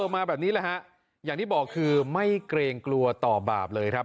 มาแบบนี้แหละฮะอย่างที่บอกคือไม่เกรงกลัวต่อบาปเลยครับ